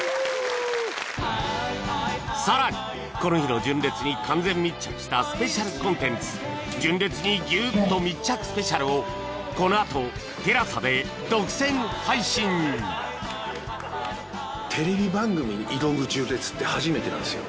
さらにこの日の純烈に完全密着したスペシャルコンテンツ『純烈にギューッと密着スペシャル！』をこのあと ＴＥＬＡＳＡ で独占配信テレビ番組に挑む純烈って初めてなんですよ。